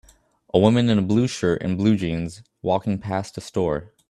A woman in a blue shirt and blue jeans walking past a store